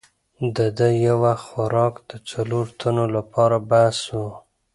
د ده یو وخت خوراک د څلورو تنو لپاره بس وو.